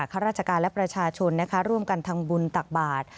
ข้าราชการและประชาชนร่วมกันทำบุญตักบาท